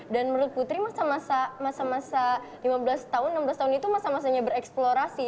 dan menurut putri masa masa lima belas tahun enam belas tahun itu masa masanya bereksplorasi